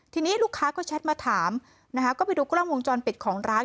ทีนี้ลูกค้าก็แชทมาถามนะคะก็ไปดูกล้องวงจรปิดของร้าน